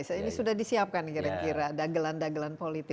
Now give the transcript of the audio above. ini sudah disiapkan kira kira dagelan dagelan politik